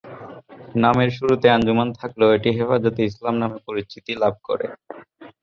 নামের শুরুতে আঞ্জুমান থাকলেও এটি ‘হেফাজতে ইসলাম’ নামে পরিচিতি লাভ করে।